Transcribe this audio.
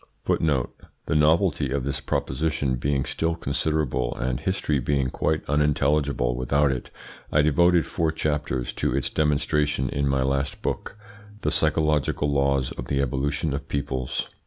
The novelty of this proposition being still considerable and history being quite unintelligible without it, I devoted four chapters to its demonstration in my last book ("The Psychological Laws of the Evolution of Peoples").